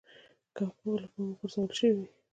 که حقوق له پامه غورځول شوي وي.